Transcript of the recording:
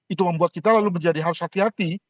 itu membuat kita lalu menjadi harus hati hati